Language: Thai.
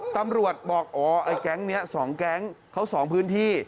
ตำรวจบอกอ๋อไอ้แก๊งนี้๒แก๊งเขา๒พื้นที่